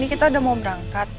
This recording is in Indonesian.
kita udah mau berangkat